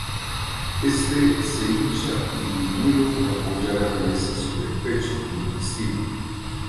Éste se hincha y Willow apoya la cabeza sobre el pecho del vestido.